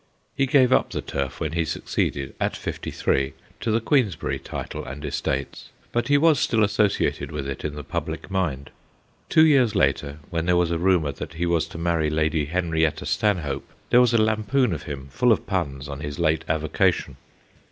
He gave up the turf when he succeeded at fifty three to the Queensberry title and estates, but he was still associated with it in the public mind. Two years later, when there was a rumour that he was to marry Lady Henrietta Stanhope, there was a lampoon of him full of puns on his late avocation.